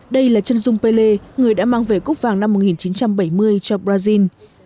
đây là chân dung pelles người đã mang về cúc vàng năm một nghìn chín trăm bảy mươi cho brazil